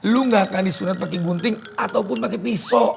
lo gak akan disunat pake gunting ataupun pake pisau